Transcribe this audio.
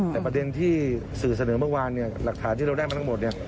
แต่ประเด็นที่สื่อเสนอเมื่อวานเนี่ยหลักฐานที่เราได้มาทั้งหมดเนี่ย